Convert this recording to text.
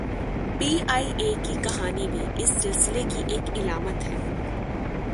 P I A کی کہانی بھی اس سلسلے کی ایک علامت ہے۔